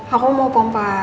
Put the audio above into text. aku mau pompa